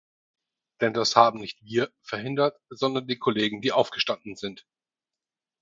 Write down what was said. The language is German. Denn das haben nicht wir verhindert, sondern die Kollegen, die aufgestanden sind.